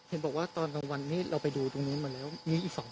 เห็นบอกว่าตอนวันนี้เราไปดูตรงนู้นมาแล้วนี่อีกสองศพ